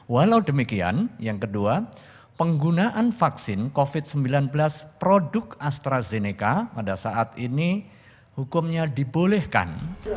walau demikian yang kedua penggunaan vaksin covid sembilan belas produk astrazeneca pada saat ini hukumnya dibolehkan